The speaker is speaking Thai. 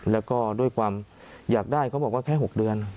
แล้วก็ด้วยความอยากได้เขาบอกว่าแค่๖เดือน